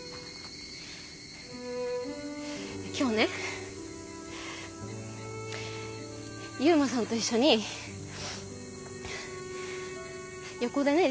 今日ね悠磨さんと一緒に横でね